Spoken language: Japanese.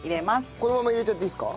このまま入れちゃっていいですか？